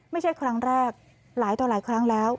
ไม่ใช่ครั้งแรกหลายต่อหลายครั้งแล้ว